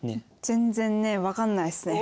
全然ね分かんないっすね。